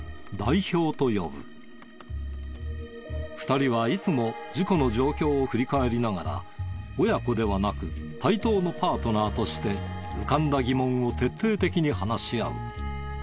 ２人はいつも事故の状況を振り返りながら親子ではなく対等のパートナーとして浮かんだ疑問を徹底的に話し合う。